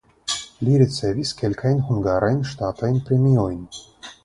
Li ricevis kelkajn hungarajn ŝtatajn premiojn.